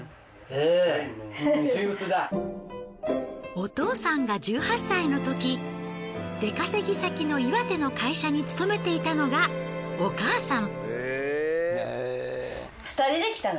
お父さんが１８歳の時出稼ぎ先の岩手の会社に勤めていたのがお母さん。